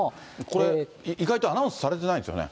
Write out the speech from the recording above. これ、意外とアナウンスされてないんですよね。